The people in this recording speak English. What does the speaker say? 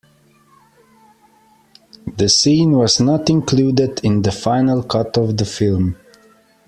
The scene was not included in the final cut of the film.